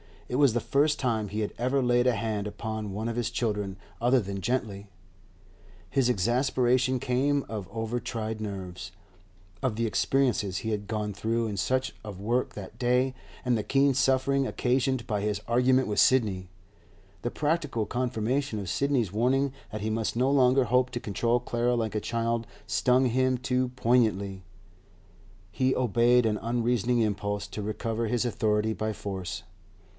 It was the first time he had ever laid a hand upon one of his children other than gently; his exasperation came of over tried nerves, of the experiences he had gone through in search of work that day, and the keen suffering occasioned by his argument with Sidney. The practical confirmation of Sidney's warning that he must no longer hope to control Clara like a child stung him too poignantly; he obeyed an unreasoning impulse to recover his authority by force.